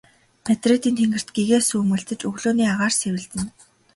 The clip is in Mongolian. Мадридын тэнгэрт гэгээ сүүмэлзэж өглөөний агаар сэвэлзэнэ.